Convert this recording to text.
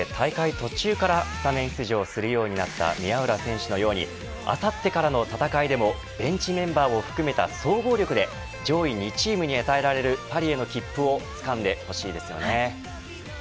途中からスタメン出場するようになった宮浦選手のようにあさってからの戦いでもベンチメンバーを含めた総合力で上位２チームに与えられるパリへの切符をつかんでほしいですね。